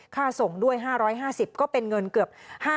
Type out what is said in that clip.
ค่าส่งด้วย๕๕๐ก็เป็นเงินเกือบ